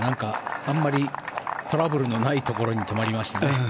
あまりトラブルのないところに止まりましたね。